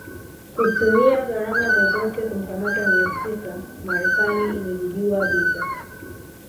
kutumia gharama zozote kumkamata mhusika Marekani imevijua vita